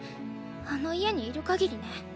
あの家にいる限りね。